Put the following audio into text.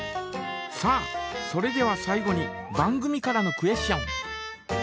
さあそれでは最後に番組からのクエスチョン。